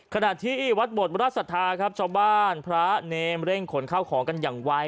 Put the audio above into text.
ขณะที่วัดบทราชศรัทธาครับชาวบ้านพระเนมเร่งขนเข้าของกันอย่างไว